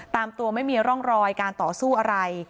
ตามตัวไม่มีร่องรอยการต่อสู้อะไร